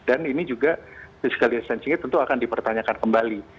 dan ini juga physical distancingnya tentu akan dipertanyakan kembali